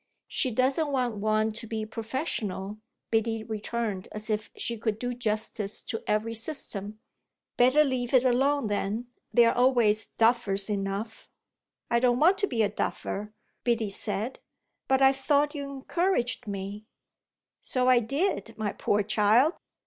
"She doesn't want one to be professional," Biddy returned as if she could do justice to every system. "Better leave it alone then. There are always duffers enough." "I don't want to be a duffer," Biddy said. "But I thought you encouraged me." "So I did, my poor child.